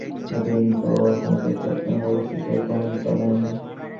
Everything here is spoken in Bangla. এ পর্যন্ত ওর কোনো প্রস্তাব কোনো ব্যবস্থা কেউ কখনো টলায় নি।